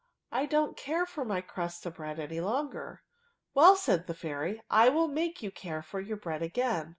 I don't care lor my crust of bread any longer/' " Well," said the fiiiiy, " I will make you care for your bread again.